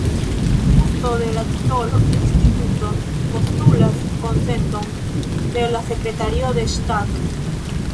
Uzo de la titolo 'Instituto' postulas konsenton de la Sekretario de Ŝtato.